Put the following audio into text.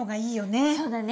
そうだね。